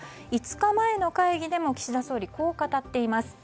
５日前の会議でも岸田総理はこう語っています。